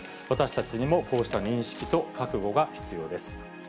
私たちにもこうした認識と覚悟が必要です。